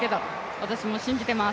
私も信じてます。